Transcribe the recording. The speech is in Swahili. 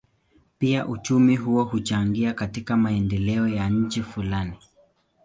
Pia uchumi huo huchangia katika maendeleo ya nchi fulani.